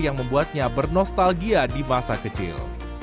yang membuatnya bernostalgia di masa kecil